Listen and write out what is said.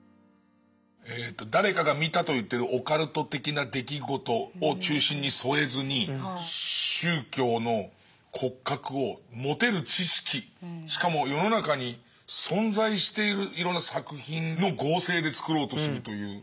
誰かが見たと言ってるオカルト的な出来事を中心に添えずに宗教の骨格を持てる知識しかも世の中に存在しているいろんな作品の合成で作ろうとするという。